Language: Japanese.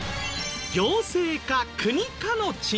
行政か国かの違い。